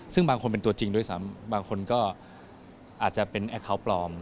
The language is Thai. ซึ่งบางคนเป็นตัวจริงอีกบางคนก็อาจจะเป็นอ่ะเกาะปลอม